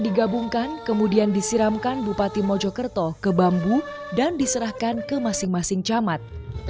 digabungkan kemudian disiramkan bupati mojokerto ke bambu dan diserahkan ke masing masing camat